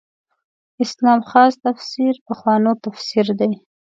اسلام خاص تفسیر پخوانو تفسیر دی.